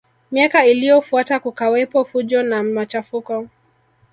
Miaka iliyofuata kukawepo fujo na machafuko